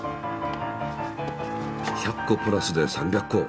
１００個プラスで３００個。